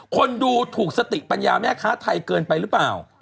คนดูถูกสติปัญญาแม่ค้าไทยเกินไปหรือเปล่า